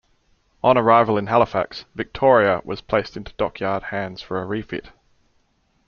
On arrival in Halifax, "Victoria" was placed into dockyard hands for a refit.